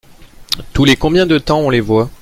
Tous les combien de temps on les voit ?